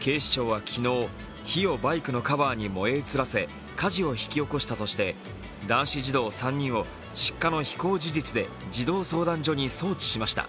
警視庁は昨日、火をバイクのカバーに燃え移らせ、火事を引き起こしたとして男子児童３人を失火の非行事実で児童相談所に送致しました。